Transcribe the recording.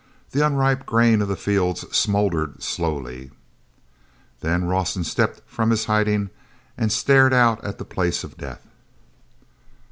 The unripe grain of the fields smoldered slowly. Then Rawson stepped from his hiding and stared out at the Place of Death.